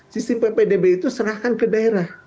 sistem ppdb itu serahkan ke daerah